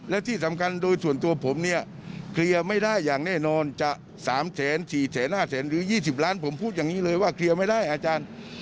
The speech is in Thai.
และที่สำคัญโดยส่วนตัวผมเนี่ยเคลียร์ไม่ได้อย่างแน่นอนจะ๓๔๕๐๐๐หรือ๒๐ล้านผมพูดอย่างนี้เลยว่าเคลียร์ไม่ได้อาจารย์